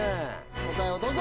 答えをどうぞ！